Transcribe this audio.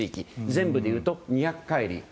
全部でいうと２００海里。